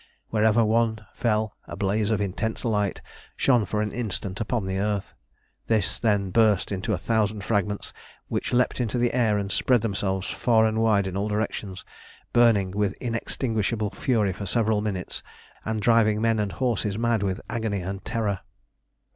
Wherever one fell a blaze of intense light shone for an instant upon the earth. Then this burst into a thousand fragments, which leapt into the air and spread themselves far and wide in all directions, burning with inextinguishable fury for several minutes, and driving men and horses mad with agony and terror.